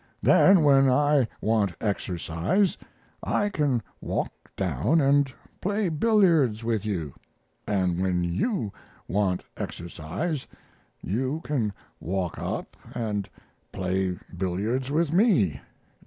Then, when I want exercise, I can walk down and play billiards with you, and when you want exercise you can walk up and play billiards with me.